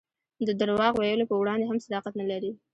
د درواغ ویلو په وړاندې هم صداقت نه لري.